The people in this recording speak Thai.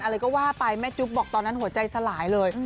อะไรก็ว่าไปแม่จุ๊บบอกตอนนั้นหัวใจสลายเลย